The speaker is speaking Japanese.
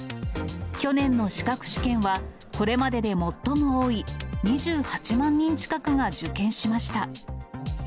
去年の資格試験は、これまでで最も多い２８万人近くが受験しました。